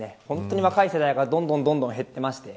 若い世代がどんどん減っています。